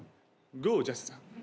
ゴー☆ジャスさん。